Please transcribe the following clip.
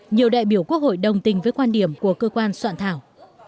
nhiều đại biểu quốc hội đồng tình với quan điểm của cơ quan soạn thảo